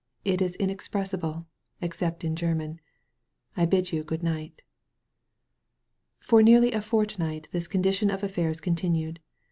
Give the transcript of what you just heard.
It is inexpressible — except in Grerman. I bid you good night." For nearly a fortnight this condition of affairs continued.